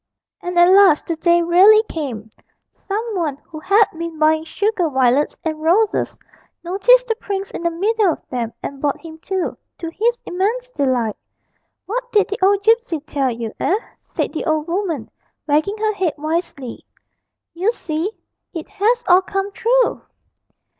And at last the day really came; some one who had been buying sugar violets and roses noticed the prince in the middle of them and bought him too, to his immense delight. 'What did the old gipsy tell you, eh?' said the old woman, wagging her head wisely; 'you see, it has all come true!'